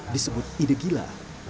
disebut ide gila